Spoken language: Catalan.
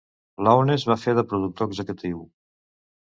Lownes va fer de productor executiu.